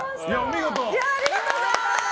ありがとうございます！